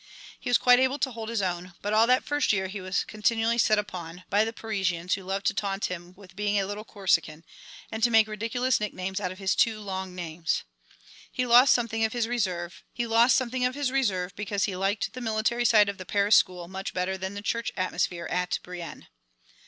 He was quite able to hold his own, but all that first year he was continually set upon by the Parisians who loved to taunt him with being a little Corsican and to make ridiculous nicknames out of his two long names. He lost something of his reserve, because he liked the military side of the Paris school much better than the church atmosphere at Brienne.